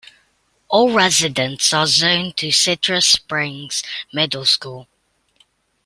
All residents are zoned to Citrus Springs Middle School.